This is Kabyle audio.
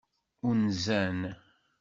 Unzen.